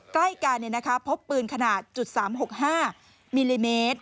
ใกล้กันพบปืนขนาด๓๖๕มิลลิเมตร